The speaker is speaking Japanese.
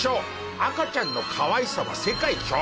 赤ちゃんのかわいさは世界共通。